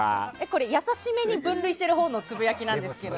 これ、優しめに分類しているほうのつぶやきなんですけど。